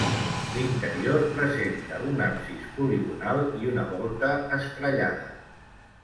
L'interior presenta un absis poligonal i una volta estrellada.